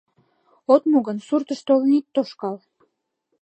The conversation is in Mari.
От му гын, суртыш толын ит тошкал!